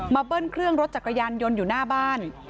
เบิ้ลเครื่องรถจักรยานยนต์อยู่หน้าบ้าน